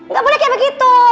gak boleh kayak begitu